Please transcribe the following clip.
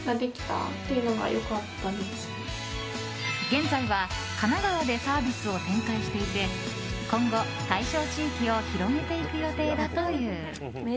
現在は神奈川でサービスを展開していて今後、対象地域を広げていく予定だという。